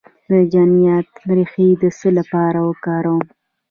د جنتیانا ریښه د څه لپاره وکاروم؟